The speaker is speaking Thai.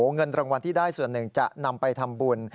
เงินรางวัลที่ได้ส่วนหนึ่งจะนำไปทำบุญ